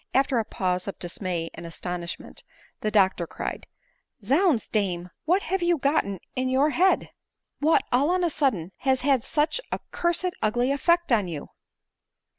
After a pause of dismay and astonishment the doctor cried, " Zounds, dame, what have you gotten in your head ? What, all on a^sudden, has had such a cursed ugly effect on you